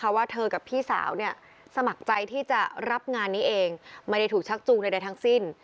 ว่าเธอกับพี่สาวเนี่ยสมัครใจที่จะรับงานนี้เองไม่ได้ถูกชักจูงใดทั้งสิ้น